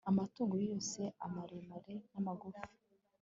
amatungo yose, amaremare n'amagufi